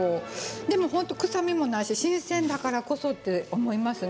でも臭みもないし新鮮だからこそって思いますね。